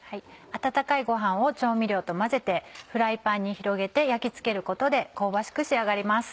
温かいごはんを調味料と混ぜてフライパンに広げて焼き付けることで香ばしく仕上がります。